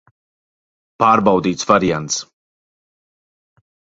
Pārbaudīts variants.